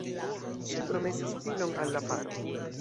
Ŝi promesis filon al la paro.